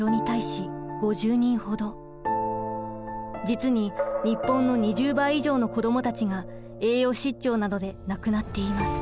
実に日本の２０倍以上の子供たちが栄養失調などで亡くなっています。